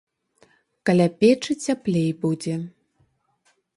Каля печы цяплей будзе.